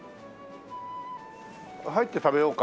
入って食べようか。